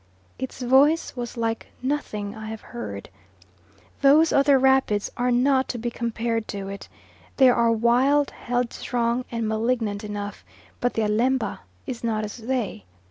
Its voice was like nothing I have heard. Those other rapids are not to be compared to it; they are wild, headstrong, and malignant enough, but the Alemba is not as they.